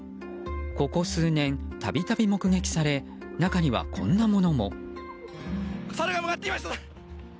ここ数年、度々目撃され中には、こんなものも。